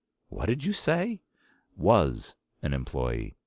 "What did you say?" "Was an employee.